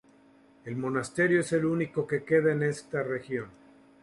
El monasterio es el único que queda en esta región.